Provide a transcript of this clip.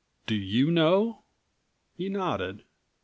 "Do you know?" He nodded.